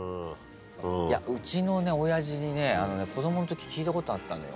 うちのおやじにね子供の時聞いたことあったのよ。